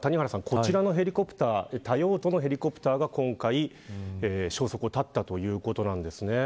こちらのヘリコプター多用途のヘリコプターが消息を絶ったということなんですね。